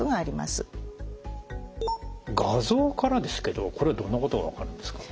画像からですけどこれどんなことが分かるんですか。